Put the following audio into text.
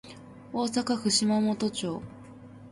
大阪府島本町